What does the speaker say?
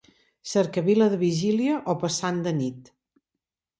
Cercavila de vigília o passant de nit.